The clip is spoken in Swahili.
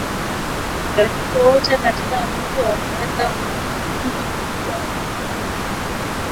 Mifugo wote katika kundi wanaweza kuambukizwa ugonjwa wa miguu na midomo